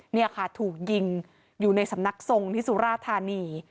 นี่ค่ะถูกยิงอยู่ในสำนักทรงที่สุราธานี